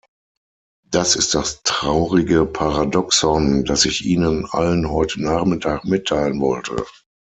Das ist das traurige Paradoxon, das ich Ihnen allen heute Nachmittag mitteilen wollte.